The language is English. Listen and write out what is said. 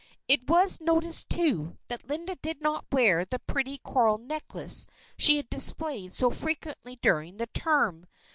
It was noticed, too, that Linda did not wear the pretty coral necklace she had displayed so frequently during the term.